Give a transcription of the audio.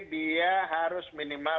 dia harus minimal